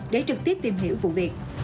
để trực tiếp tìm hiểu vụ việc